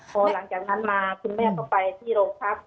พอหลังจากนั้นมาคุณแม่ก็ไปที่โรงพัก